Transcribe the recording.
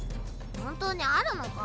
本当にあるのか？